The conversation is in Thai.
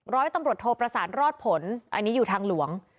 ร้อยตำรวจโทประสานรอดผลอันนี้อยู่ทางหลวง